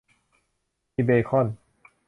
มีเบคอน